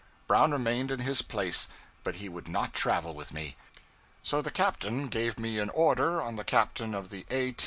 Brown remained in his place; but he would not travel with me. So the captain gave me an order on the captain of the 'A.